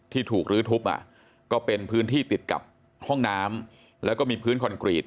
ที่ถูกลื้อทุบก็เป็นพื้นที่ติดกับห้องน้ำแล้วก็มีพื้นคอนกรีต